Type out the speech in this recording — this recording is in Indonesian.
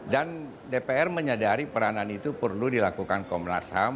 dan dpr menyadari peranan itu perlu dilakukan komnas ham